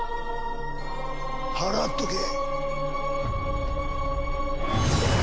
払っとけ。